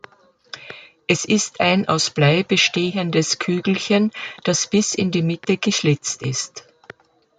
Es ist ein aus Blei bestehendes Kügelchen, das bis in die Mitte geschlitzt ist.